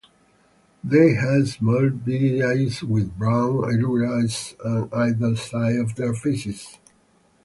They have small, beady eyes with brown irises on either side of their faces.